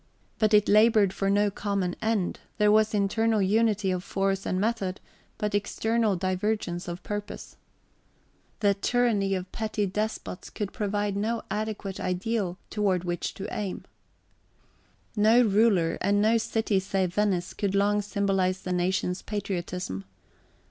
But it laboured for no common end; there was internal unity of force and method, but external divergence of purpose. The tyranny of petty despots could provide no adequate ideal toward {xxii} which to aim. No ruler, and no city save Venice, could long symbolize the nation's patriotism.